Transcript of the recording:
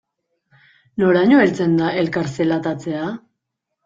Noraino heltzen da elkar zelatatzea?